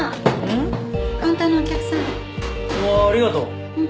うわありがとう。